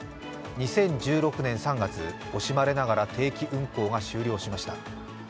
２０１６年３月、惜しまれながら定期運行が終了しました。